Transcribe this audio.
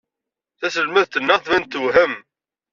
Taselmadt-nneɣ tban-d tewhem.